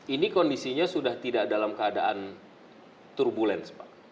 ini kondisinya sudah tidak dalam keadaan turbulence pak